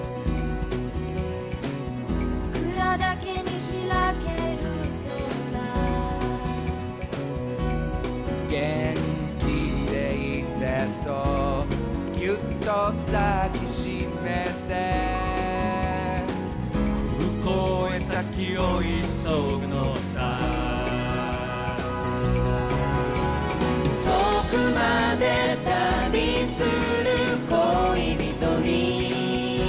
「ぼくらだけにひらける空」「『元気でいて』とギュッと抱きしめて」「空港へ先を急ぐのさ」「遠くまで旅する恋人に」